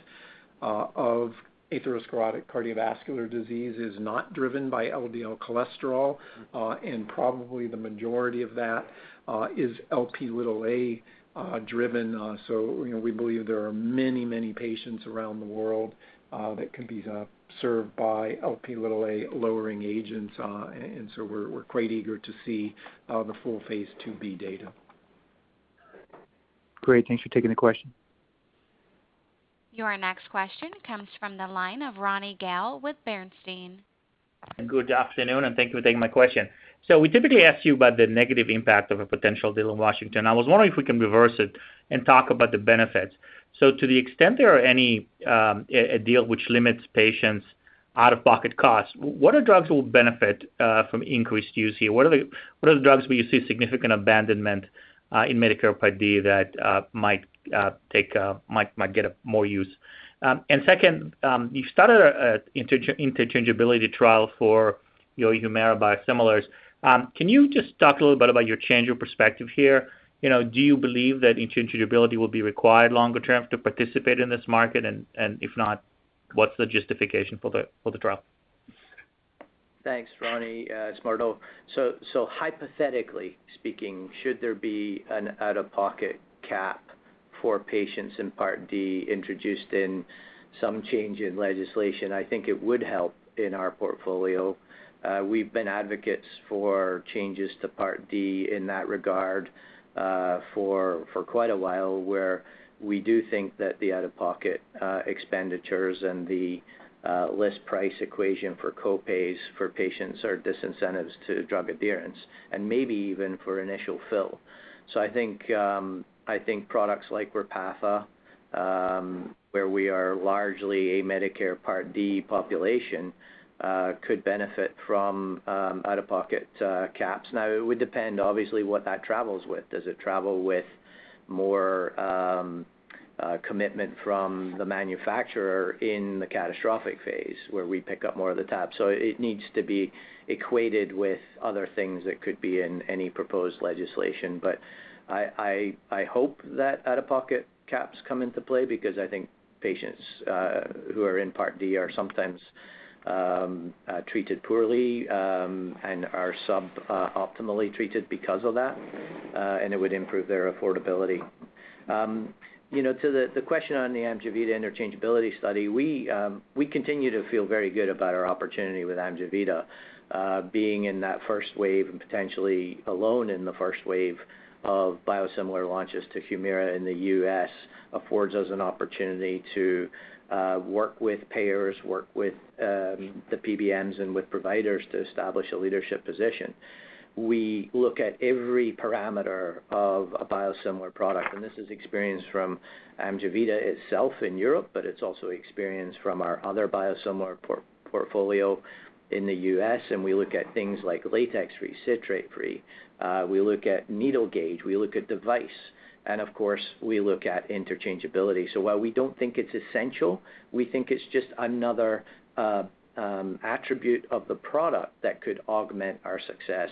of atherosclerotic cardiovascular disease is not driven by LDL cholesterol, and probably the majority of that is Lp(a) driven. So, you know, we believe there are many, many patients around the world that can be served by Lp(a) lowering agents. We're quite eager to see the full phase IIb data. Great. Thanks for taking the question. Your next question comes from the line of Ronny Gal with Bernstein. Good afternoon, and thank you for taking my question. We typically ask you about the negative impact of a potential deal in Washington. I was wondering if we can reverse it and talk about the benefits. To the extent there are any, a deal which limits patients' out-of-pocket costs, what drugs will benefit from increased use here? What are the drugs where you see significant abandonment in Medicare Part D that might get more use? And second, you started a interchangeability trial for your Humira biosimilars. Can you just talk a little bit about your change of perspective here? You know, do you believe that interchangeability will be required longer term to participate in this market? And if not, what's the justification for the trial? Thanks, Ronny. It's Murdo. Hypothetically speaking, should there be an out-of-pocket cap for patients in Part D introduced in some change in legislation, I think it would help in our portfolio. We've been advocates for changes to Part D in that regard, for quite a while, where we do think that the out-of-pocket expenditures and the list price equation for co-pays for patients are disincentives to drug adherence and maybe even for initial fill. I think products like Repatha, where we are largely a Medicare Part D population, could benefit from out-of-pocket caps. Now, it would depend obviously what that travels with. Does it travel with more commitment from the manufacturer in the catastrophic phase where we pick up more of the tab? It needs to be equated with other things that could be in any proposed legislation. I hope that out-of-pocket caps come into play because I think patients who are in Part D are sometimes treated poorly and are suboptimally treated because of that and it would improve their affordability. You know, to the question on the Amgevita interchangeability study, we continue to feel very good about our opportunity with Amgevita being in that first wave and potentially alone in the first wave of biosimilar launches to Humira in the U.S. affords us an opportunity to work with payers, work with the PBMs and with providers to establish a leadership position. We look at every parameter of a biosimilar product, and this is experience from Amgevita itself in Europe, but it's also experience from our other biosimilar portfolio in the U.S., and we look at things like latex-free, citrate-free. We look at needle gauge, we look at device, and of course, we look at interchangeability. While we don't think it's essential, we think it's just another attribute of the product that could augment our success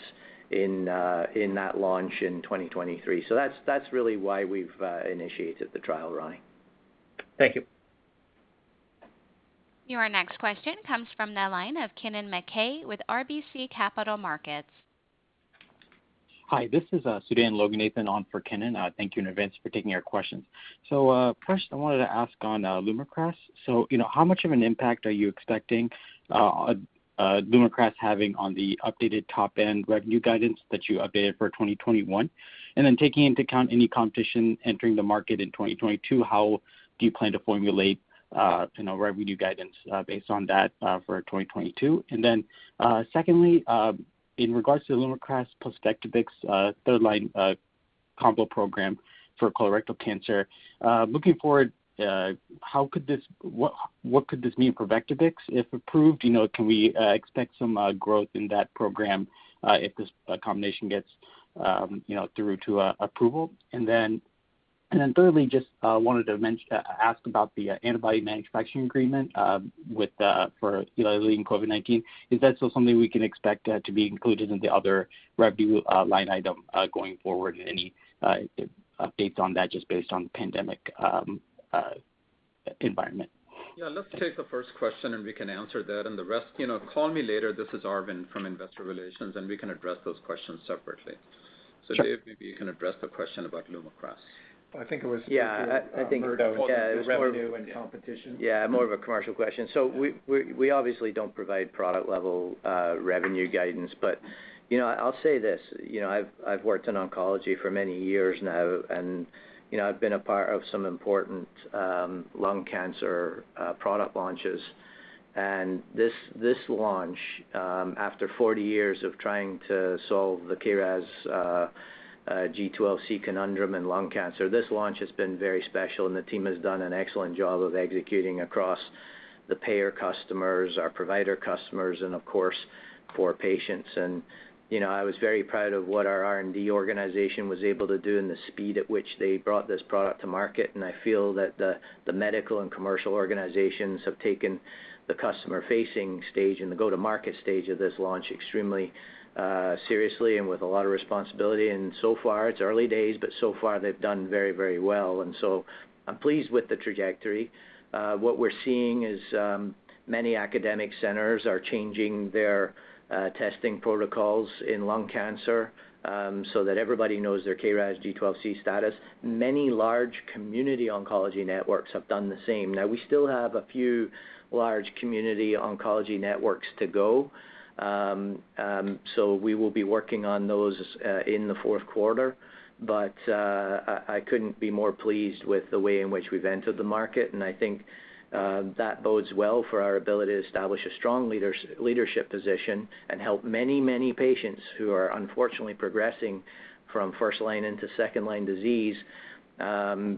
in that launch in 2023. That's really why we've initiated the trial, Ronny. Thank you. Your next question comes from the line of Kennen MacKay with RBC Capital Markets. Hi, this is Sudan Loganathan on for Kennen MacKay. Thank you in advance for taking our questions. First I wanted to ask on Lumakras. You know, how much of an impact are you expecting Lumakras having on the updated top-end revenue guidance that you updated for 2021? And then taking into account any competition entering the market in 2022, how do you plan to formulate you know, revenue guidance based on that for 2022? And then secondly, in regards to the Lumakras plus Vectibix third-line combo program for colorectal cancer, looking forward, what could this mean for Vectibix if approved? You know, can we expect some growth in that program if this combination gets you know, through to approval? Thirdly, just wanted to ask about the antibody manufacturing agreement with Eli Lilly for COVID-19. Is that still something we can expect to be included in the other revenue line item going forward? Any updates on that just based on pandemic environment? Yeah, let's take the first question, and we can answer that. The rest, you know, call me later, this is Arvind from Investor Relations, and we can address those questions separately. Sure. Dave, maybe you can address the question about Lumakras. I think Murdo called it revenue and competition. Yeah, more of a commercial question. We obviously don't provide product level revenue guidance. But you know, I'll say this. You know, I've worked in oncology for many years now, and you know, I've been a part of some important lung cancer product launches. This launch after 40 years of trying to solve the KRAS G12C conundrum in lung cancer has been very special, and the team has done an excellent job of executing across the payer customers, our provider customers, and of course, for patients. You know, I was very proud of what our R&D organization was able to do and the speed at which they brought this product to market. I feel that the medical and commercial organizations have taken the customer-facing stage and the go-to-market stage of this launch extremely seriously and with a lot of responsibility. So far, it's early days, but so far they've done very, very well. I'm pleased with the trajectory. What we're seeing is many academic centers are changing their testing protocols in lung cancer so that everybody knows their KRAS G12C status. Many large community oncology networks have done the same. Now, we still have a few large community oncology networks to go, so we will be working on those in the fourth quarter. I couldn't be more pleased with the way in which we've entered the market, and I think that bodes well for our ability to establish a strong leadership position and help many patients who are unfortunately progressing from first line into second line disease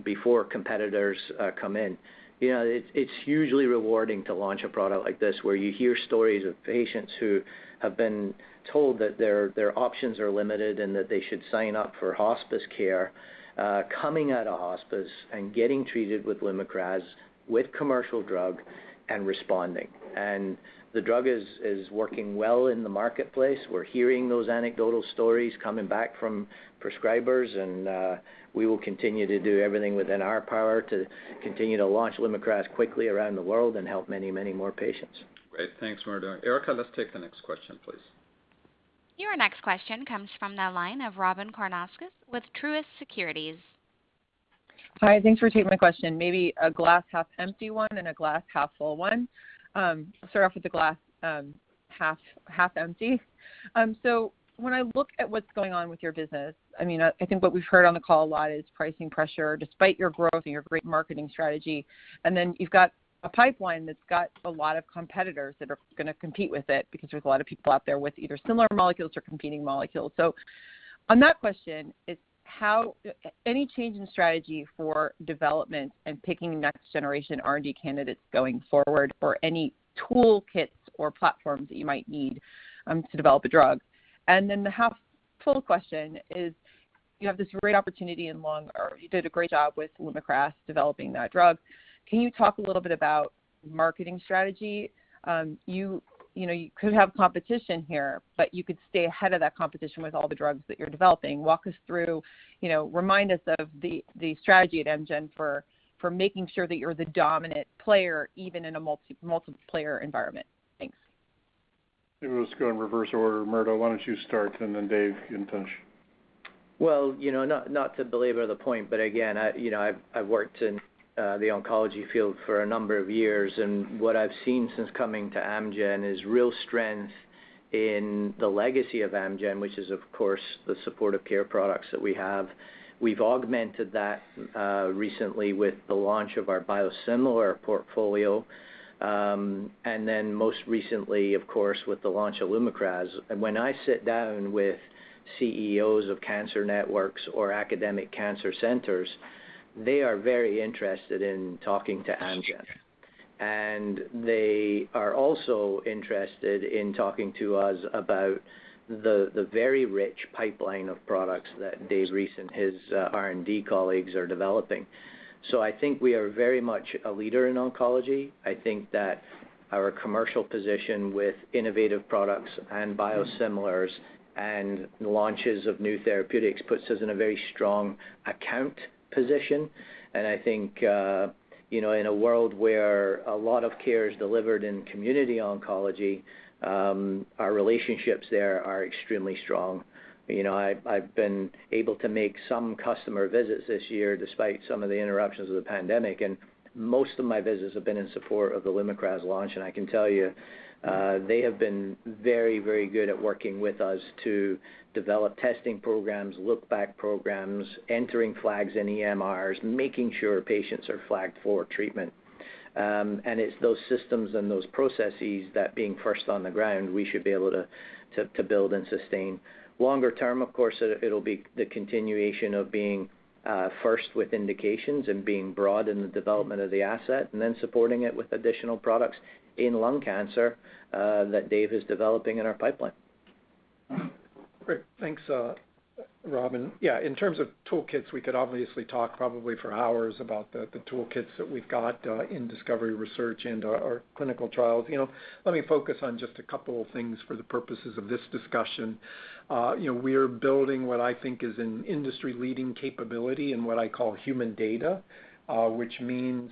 before competitors come in. You know, it's hugely rewarding to launch a product like this, where you hear stories of patients who have been told that their options are limited and that they should sign up for hospice care, coming out of hospice and getting treated with Lumakras with commercial drug and responding. The drug is working well in the marketplace. We're hearing those anecdotal stories coming back from prescribers, and we will continue to do everything within our power to continue to launch Lumakras quickly around the world and help many, many more patients. Great. Thanks, Murdo. Erica, let's take the next question, please. Your next question comes from the line of Robyn Karnauskas with Truist Securities. Hi, thanks for taking my question. Maybe a glass half empty one and a glass half full one. I'll start off with the glass half empty. When I look at what's going on with your business, I mean, I think what we've heard on the call a lot is pricing pressure despite your growth and your great marketing strategy. You've got a pipeline that's got a lot of competitors that are gonna compete with it because there's a lot of people out there with either similar molecules or competing molecules. On that question is how any change in strategy for development and picking next generation R&D candidates going forward, or any toolkits or platforms that you might need to develop a drug? Then the half full question is, you have this great opportunity in lung, or you did a great job with Lumakras developing that drug. Can you talk a little bit about marketing strategy? You know, you could have competition here, but you could stay ahead of that competition with all the drugs that you're developing. Walk us through, you know, remind us of the strategy at Amgen for making sure that you're the dominant player even in a multiple player environment. Thanks. Maybe let's go in reverse order. Murdo, why don't you start, and then Dave, you can touch. You know, not to belabor the point, but again, I, you know, I've worked in the oncology field for a number of years, and what I've seen since coming to Amgen is real strength in the legacy of Amgen, which is of course the supportive care products that we have. We've augmented that recently with the launch of our biosimilar portfolio, and then most recently, of course, with the launch of Lumakras. When I sit down with CEOs of cancer networks or academic cancer centers, they are very interested in talking to Amgen. They are also interested in talking to us about the very rich pipeline of products that Dave Reese and his R&D colleagues are developing. I think we are very much a leader in oncology. I think that our commercial position with innovative products and biosimilars and launches of new therapeutics puts us in a very strong account position. I think, you know, in a world where a lot of care is delivered in community oncology, our relationships there are extremely strong. You know, I've been able to make some customer visits this year despite some of the interruptions of the pandemic, and most of my visits have been in support of the Lumakras launch. I can tell you, they have been very, very good at working with us to develop testing programs, look back programs, entering flags in EMRs, making sure patients are flagged for treatment. It's those systems and those processes that being first on the ground, we should be able to to build and sustain. Longer term, of course, it'll be the continuation of being first with indications and being broad in the development of the asset, and then supporting it with additional products in lung cancer that Dave is developing in our pipeline. Great. Thanks, Robyn. Yeah, in terms of toolkits, we could obviously talk probably for hours about the toolkits that we've got in discovery research and our clinical trials. You know, let me focus on just a couple of things for the purposes of this discussion. You know, we're building what I think is an industry-leading capability in what I call human data, which means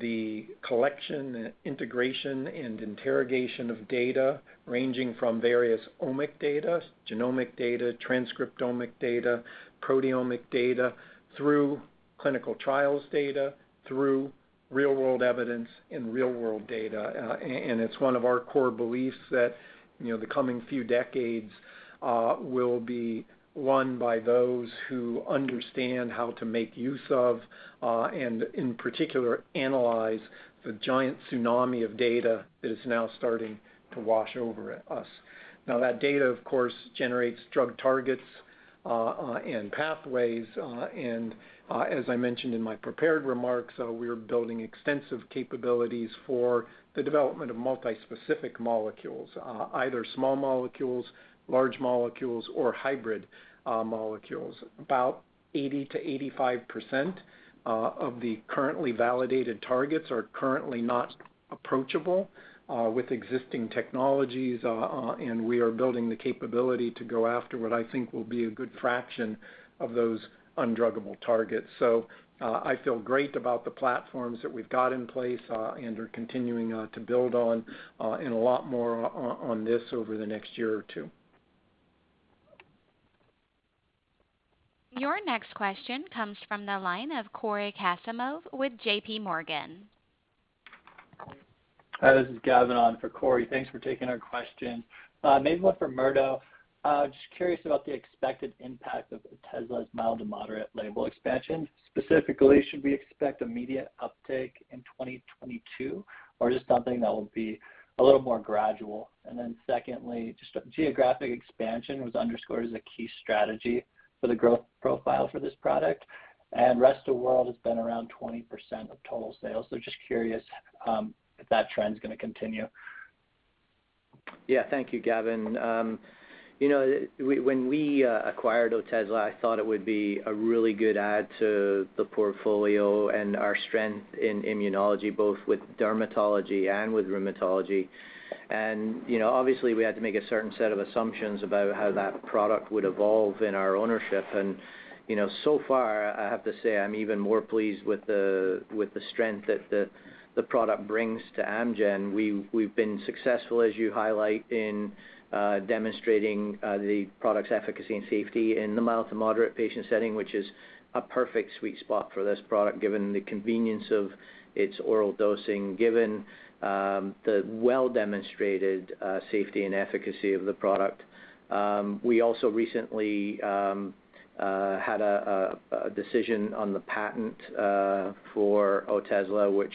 the collection, integration, and interrogation of data ranging from various omic data, genomic data, transcriptomic data, proteomic data, through clinical trials data, through real-world evidence and real-world data. It's one of our core beliefs that, you know, the coming few decades will be won by those who understand how to make use of and in particular, analyze the giant tsunami of data that is now starting to wash over us. Now, that data, of course, generates drug targets and pathways, and, as I mentioned in my prepared remarks, we're building extensive capabilities for the development of multi-specific molecules, either small molecules, large molecules, or hybrid molecules. About 80%-85% of the currently validated targets are currently not approachable with existing technologies, and we are building the capability to go after what I think will be a good fraction of those undruggable targets. I feel great about the platforms that we've got in place and are continuing to build on, and a lot more on this over the next year or two. Your next question comes from the line of Cory Kasimov with JPMorgan. Hi, this is Gavin on for Cory. Thanks for taking our question. Maybe one for Murdo. Just curious about the expected impact of Otezla's mild to moderate label expansion. Specifically, should we expect immediate uptake in 2022, or just something that will be a little more gradual? Then secondly, just geographic expansion was underscored as a key strategy for the growth profile for this product, and rest of world has been around 20% of total sales. Just curious, if that trend's gonna continue. Yeah. Thank you, Gavin. You know, when we acquired Otezla, I thought it would be a really good add to the portfolio and our strength in immunology, both with dermatology and with rheumatology. You know, so far, I have to say I'm even more pleased with the strength that the product brings to Amgen. We've been successful, as you highlight, in demonstrating the product's efficacy and safety in the mild to moderate patient setting, which is a perfect sweet spot for this product, given the convenience of its oral dosing, given the well-demonstrated safety and efficacy of the product. We also recently had a decision on the patent for Otezla, which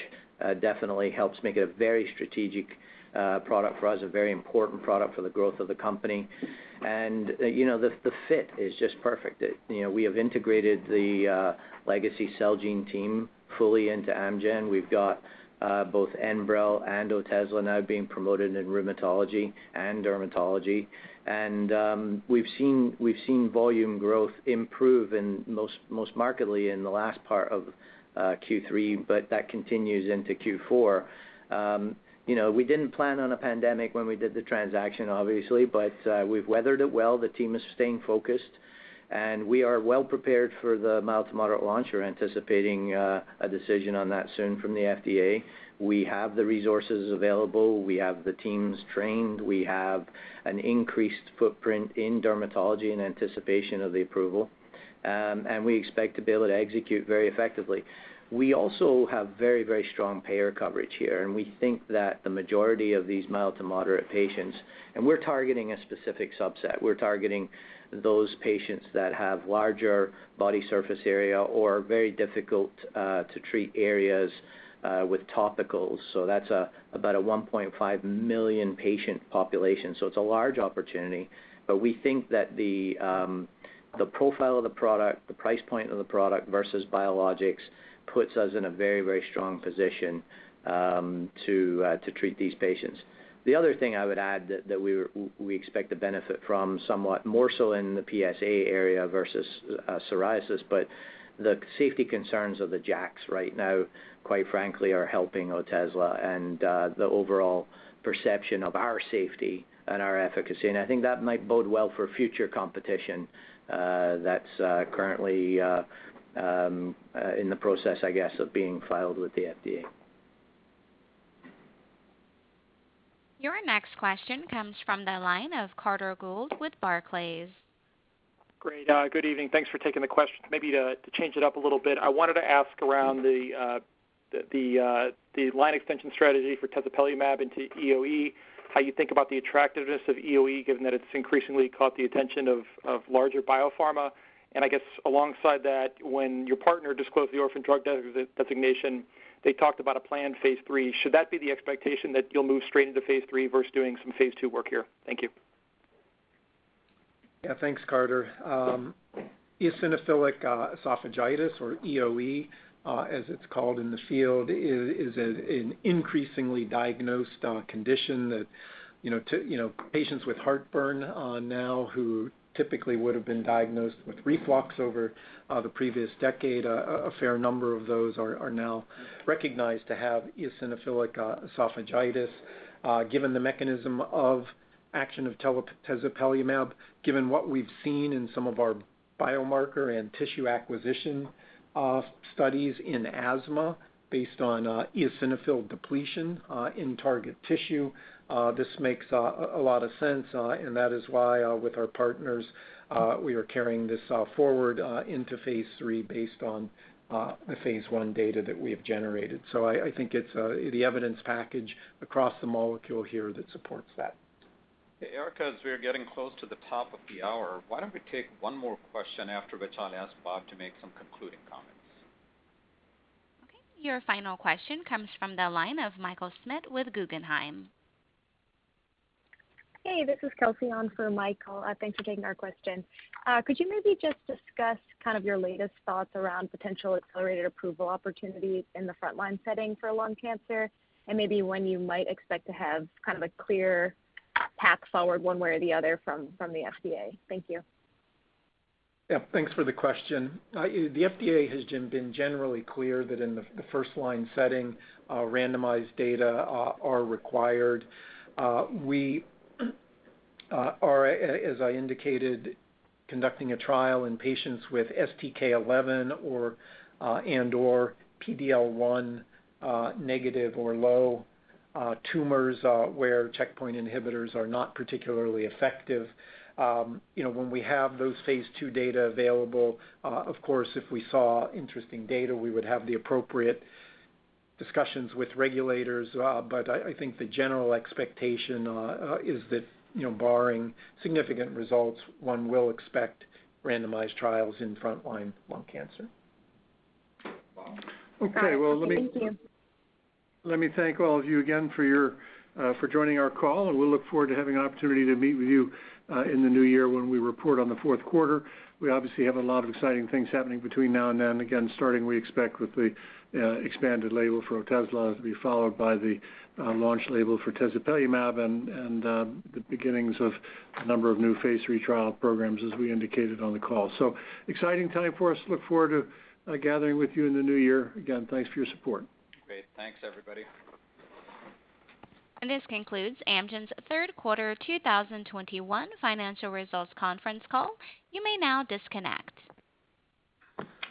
definitely helps make it a very strategic product for us, a very important product for the growth of the company. You know, the fit is just perfect. You know, we have integrated the legacy Celgene team fully into Amgen. We've got both Enbrel and Otezla now being promoted in rheumatology and dermatology. We've seen volume growth improve most markedly in the last part of Q3, but that continues into Q4. You know, we didn't plan on a pandemic when we did the transaction, obviously, but we've weathered it well. The team is staying focused, and we are well prepared for the mild to moderate launch. We're anticipating a decision on that soon from the FDA. We have the resources available. We have the teams trained. We have an increased footprint in dermatology in anticipation of the approval. We expect to be able to execute very effectively. We also have very, very strong payer coverage here, and we think that the majority of these mild to moderate patients. We're targeting a specific subset. We're targeting those patients that have larger body surface area or very difficult to treat areas with topicals. That's about a 1.5 million patient population. It's a large opportunity, but we think that the profile of the product, the price point of the product versus biologics puts us in a very, very strong position to treat these patients. The other thing I would add that we expect to benefit from somewhat more so in the PsA area versus psoriasis, but the safety concerns of the JAKs right now, quite frankly, are helping Otezla and the overall perception of our safety and our efficacy. I think that might bode well for future competition in the process, I guess, of being filed with the FDA. Your next question comes from the line of Carter Gould with Barclays. Great. Good evening. Thanks for taking the question. Maybe to change it up a little bit, I wanted to ask around the line extension strategy for tezepelumab into EoE, how you think about the attractiveness of EoE, given that it's increasingly caught the attention of larger biopharma. I guess alongside that, when your partner disclosed the orphan drug designation, they talked about a planned phase III. Should that be the expectation that you'll move straight into phase III versus doing some phase II work here? Thank you. Yeah, thanks, Carter. Eosinophilic esophagitis, or EoE, as it's called in the field, is an increasingly diagnosed condition that you know, to you know, patients with heartburn now who typically would've been diagnosed with reflux over the previous decade, a fair number of those are now recognized to have eosinophilic esophagitis. Given the mechanism of action of tezepelumab, given what we've seen in some of our biomarker and tissue acquisition studies in asthma based on eosinophil depletion in target tissue, this makes a lot of sense, and that is why, with our partners, we are carrying this forward into phase III based on the phase I data that we have generated. I think it's the evidence package across the molecule here that supports that. Erica, as we are getting close to the top of the hour, why don't we take one more question, after which I'll ask Bob to make some concluding comments. Okay. Your final question comes from the line of Michael Yee with Guggenheim. Hey, this is Kelsey on for Michael. Thanks for taking our question. Could you maybe just discuss kind of your latest thoughts around potential accelerated approval opportunities in the frontline setting for lung cancer and maybe when you might expect to have kind of a clear path forward one way or the other from the FDA? Thank you. Yeah. Thanks for the question. The FDA has been generally clear that in the first line setting, randomized data are required. We are, as I indicated, conducting a trial in patients with STK11 or and/or PDL1 negative or low tumors, where checkpoint inhibitors are not particularly effective. You know, when we have those phase II data available, of course, if we saw interesting data, we would have the appropriate discussions with regulators. But I think the general expectation is that, you know, barring significant results, one will expect randomized trials in frontline lung cancer. Bob? Okay. Well, let me All right. Thank you. Let me thank all of you again for your for joining our call, and we'll look forward to having an opportunity to meet with you in the new year when we report on the fourth quarter. We obviously have a lot of exciting things happening between now and then, again, starting, we expect, with the expanded label for Otezla to be followed by the launch label for tezepelumab and the beginnings of a number of new phase III trial programs, as we indicated on the call. Exciting time for us. Look forward to gathering with you in the new year. Again, thanks for your support. Great. Thanks, everybody. This concludes Amgen's third quarter 2021 financial results conference call. You may now disconnect.